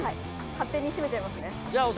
勝手に閉めちゃいますね。